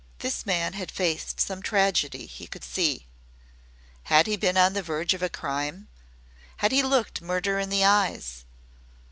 This man had faced some tragedy, he could see. Had he been on the verge of a crime had he looked murder in the eyes?